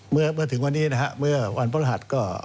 เมื่อที่วันนี้นะครับเมื่อวันพระทหัสก็